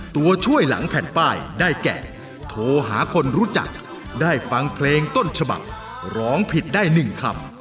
ตัวช่วยหลังแผ่นป้ายได้แก่โทรหาคนรู้จักได้ฟังเพลงต้นฉบับร้องผิดได้๑คำ